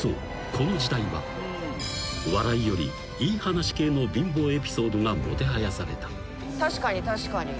この時代はお笑いよりいい話系の貧乏エピソードがもてはやされた］